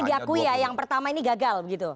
oke berarti diakui ya yang pertama ini gagal begitu